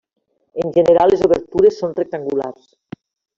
En general les obertures són rectangulars.